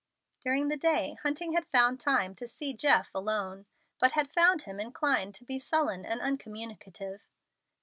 During the day Hunting had found time to see Jeff alone, but had found him inclined to be sullen and uncommunicative.